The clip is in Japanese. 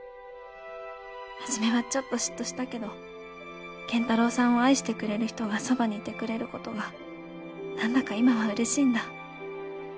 「初めはちょっと嫉妬したけど健太郎さんを愛してくれる人がそばにいてくれる事がなんだか今は嬉しいんだ」